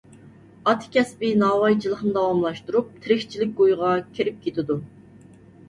ئاتا كەسپى ناۋايچىلىقنى داۋاملاشتۇرۇپ، تىرىكچىلىك كويىغا كېرىپ كېتىدۇ.